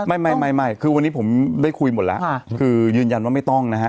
ไม่ไม่คือวันนี้ผมได้คุยหมดแล้วคือยืนยันว่าไม่ต้องนะฮะ